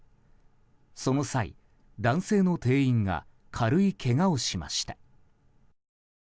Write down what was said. その際、男性の店員が軽いけがをしました。